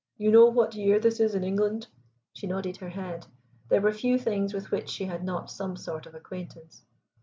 You know what year this is in England?" She nodded her head. There were few things with which she had not some sort of acquaintance.